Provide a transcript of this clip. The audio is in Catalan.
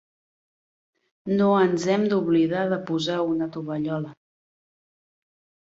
No ens hem d'oblidar de posar una tovallola.